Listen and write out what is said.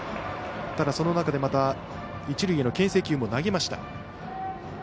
その中で、一塁へのけん制球も投げました。